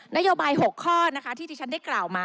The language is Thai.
นโยบาย๖ข้อนะคะที่ที่ฉันได้กล่าวมา